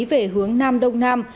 về hướng nam đông nam